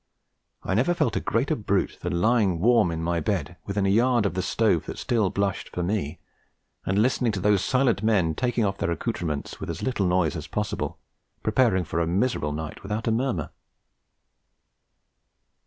I never felt a greater brute than lying warm in my bed, within a yard of the stove that still blushed for me, and listening to those silent men taking off their accoutrements with as little noise as possible, preparing for a miserable night without a murmur.